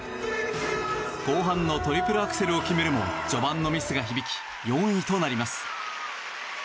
後半のトリプルアクセルを決めるも序盤のミスが響き４位となります。